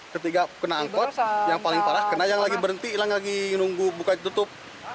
ketiga kena angkot yang paling parah kena yang lagi berhenti hilang lagi nunggu buka tutup